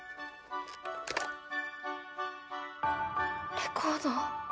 レコード！